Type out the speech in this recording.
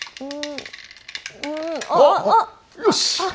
よし。